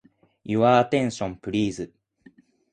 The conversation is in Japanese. Your attention, please.